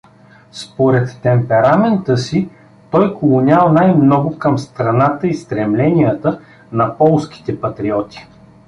Според темперамента си той клонял най-много към страната и стремленията на полските патриоти.